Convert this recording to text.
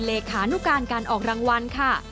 เลขานุการการออกรางวัลค่ะ